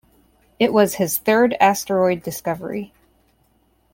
It was his third asteroid discovery.